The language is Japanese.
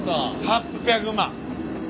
８００万。